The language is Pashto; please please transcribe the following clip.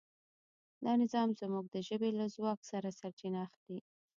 دا نظام زموږ د ژبې له ځواک څخه سرچینه اخلي.